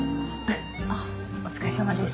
あっお疲れさまでした。